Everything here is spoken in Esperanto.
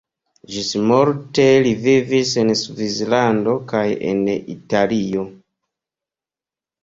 Ĝismorte li vivis en Svislando kaj en Italio.